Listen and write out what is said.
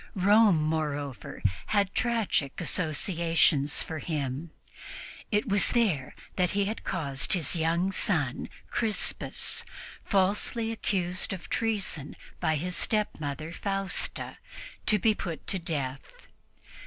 Rome, moreover, had tragic associations for him. It was there that he had caused his young son Crispus, falsely accused of treason by his stepmother Fausta, to be put to death.